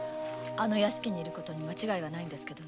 あの屋敷にいることに間違いはないんですけど。